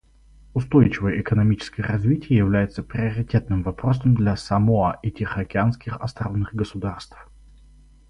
Устойчивое экономическое развитие является приоритетным вопросом для Самоа и тихоокеанских островных государств.